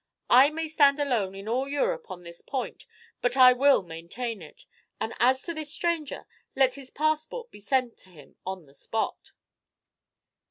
I may stand alone in all Europe on this point, but I will maintain it. And as to this stranger, let his passport be sent to him on the spot."